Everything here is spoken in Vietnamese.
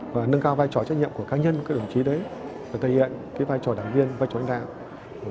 và nâng cao vai trò trách nhiệm của cá nhân các đồng chí đấy và thể hiện cái vai trò đảng viên vai trò lãnh đạo